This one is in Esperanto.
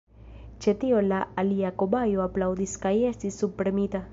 Ĉe tio la alia kobajo aplaŭdis kaj estis subpremita.